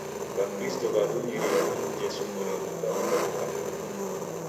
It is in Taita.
W'akristo w'arumiria angu Jesu oreruka ukajoka Mlungunyi.